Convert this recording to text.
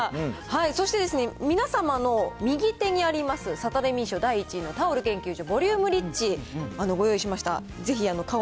そして皆様の右手にあります、サタデミー賞第１位のタオル研究所ボリュームリッチ、ご用意しました。